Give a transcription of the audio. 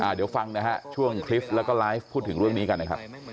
เดี๋ยวฟังนะฮะช่วงคลิปแล้วก็ไลฟ์พูดถึงเรื่องนี้กันนะครับ